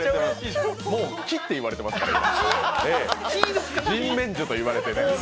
もう木っていわれてますから。